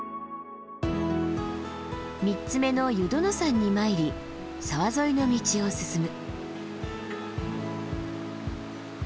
３つ目の湯殿山に参り沢沿いの道を進む。